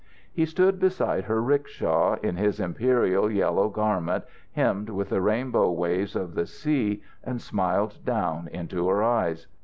He stood beside her rickshaw, in his imperial yellow garment hemmed with the rainbow waves of the sea, and smiled down into her eyes.